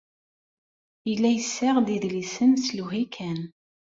Yella yessaɣ-d idlisen s lewhi kan.